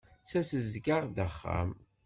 Ssazedgeɣ-d axxam.